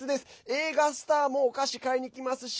映画スターもお菓子買いに来ますし